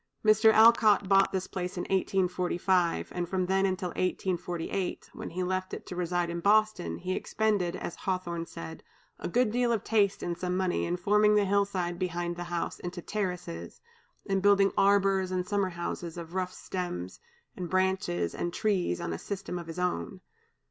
Mr. Alcott bought this place in 1845, and from then till 1848, when he left it to reside in Boston, he expended, as Hawthorne said, "a good deal of taste and some money in forming the hill side behind the house into terraces, and building arbors and summer houses of rough stems, and branches, and trees, on a system of his own."